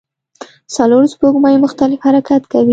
څلور سپوږمۍ مختلف حرکت کوي.